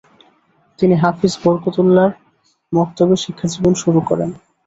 তিনি হাফিজ বরকতউল্লাহর মক্তবে শিক্ষাজীবন শুরু করেন।